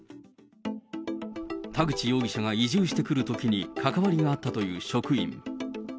田口容疑者が移住してくるときに関わりがあったという職員。